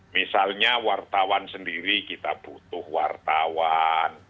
misalnya wartawan sendiri kita butuh wartawan